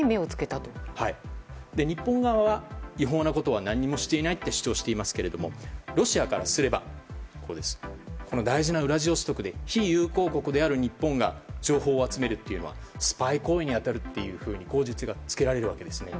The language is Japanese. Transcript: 日本側は違法なことは何もしていないと主張していますがロシアからすれば大事なウラジオストクで非友好国である日本が情報を集めるというのはスパイ行為に当たると口実がつけられるわけですね。